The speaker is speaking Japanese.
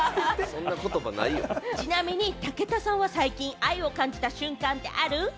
ちなみに武田さんは最近、愛を感じた瞬間ってある？